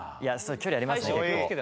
距離ありますね結構。